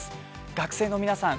学生の皆さん